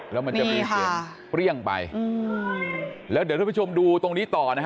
แล้วมันจะมีเสียงเปรี้ยงไปแล้วเดี๋ยวท่านผู้ชมดูตรงนี้ต่อนะฮะ